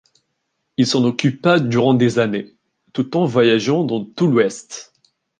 Il s'en occupa durant des années, tout en voyageant dans tout l'Ouest.